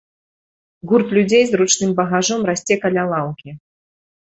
Гурт людзей з ручным багажом расце каля лаўкі.